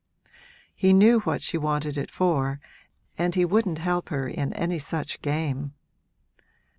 He knew what she wanted it for and he wouldn't help her in any such game.